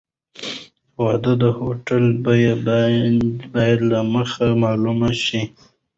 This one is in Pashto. د واده د هوټل بیه باید له مخکې معلومه شي.